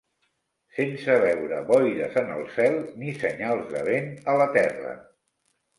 Sense veure boires en el cel ni senyals de vent a la terra.